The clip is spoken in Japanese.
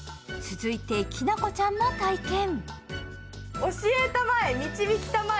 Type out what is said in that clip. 続いて、きなこちゃんも体験。